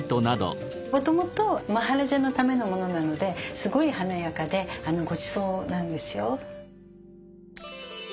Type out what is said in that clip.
もともとマハラジャのためのものなのですごい華やかでごちそうなんですよ。